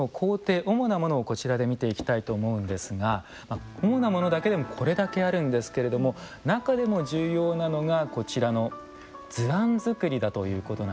主なものをこちらで見ていきたいと思うんですが主なものだけでもこれだけあるんですけれども中でも重要なのがこちらの図案作りだということなんですね。